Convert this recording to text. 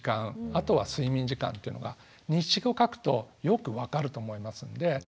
あとは睡眠時間というのが日誌を書くとよく分かると思いますんで。